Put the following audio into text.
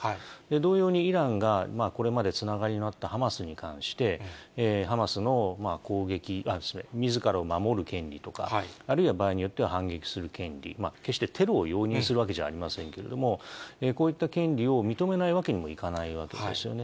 同様にイランがこれまでつながりのあったハマスに関して、ハマスの攻撃、失礼、みずからを守る権利とか、あるいは場合によっては反撃する権利、決してテロを容認するわけじゃありませんけれども、こういった権利を認めないわけにもいかないわけですよね。